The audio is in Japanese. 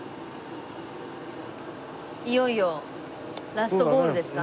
いよいよラストゴールですか？